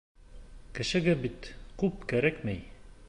Кешегә бит күп кәрәкмәй.